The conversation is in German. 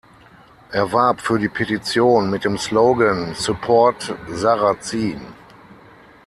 Er warb für die Petition mit dem Slogan „Support Sarrazin“.